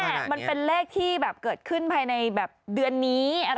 มันเป็นเลขที่แบบเกิดขึ้นภายในแบบเดือนนี้